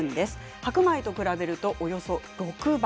白米と比べると、およそ６倍。